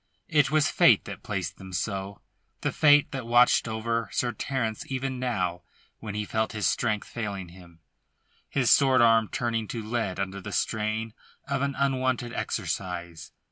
It was Fate that placed them so, the Fate that watched over Sir Terence even now when he felt his strength failing him, his sword arm turning to lead under the strain of an unwonted exercise.